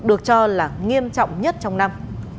được cho là nghiêm trọng nhất trong năm